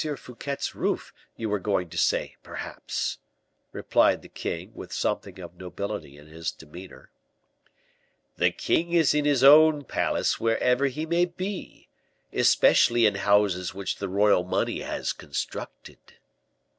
Fouquet's roof, you were going to say, perhaps," replied the king, with something of nobility in his demeanor. "The king is in his own palace wherever he may be especially in houses which the royal money has constructed."